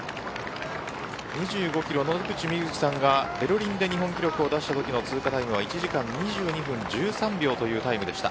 野口みずきさんがベルリンで日本記録を出したときの通過記録は１時間２２分１３秒という記録でした。